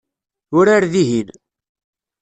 Urar dihin.